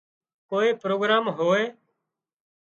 ڪوئي پروگرام هوئي